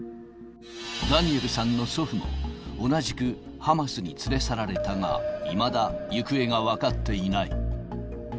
ダニエルさんの祖父も、同じくハマスに連れ去られたが、いまだ行方が分かっていない。